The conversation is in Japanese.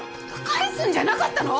返すんじゃなかったの？